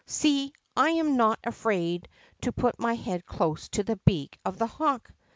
See, I am not afraid to put my head close to the beak of the hawk."